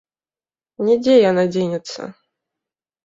Не дзе яна дзенецца.